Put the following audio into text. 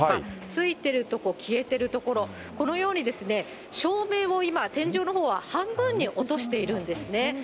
ついてるとこ、消えてる所、このように照明を今、天井のほうは半分に落としているんですね。